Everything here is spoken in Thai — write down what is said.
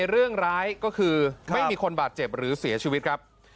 ไม่มีคนบาดเจ็บหรือเสียชีวิตครับ